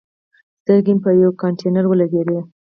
سترګې مې په یوه کانتینر ولګېدي.